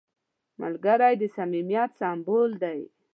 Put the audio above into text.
ملګری د صمیمیت سمبول دی